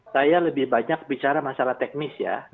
saya lebih banyak bicara masalah teknis ya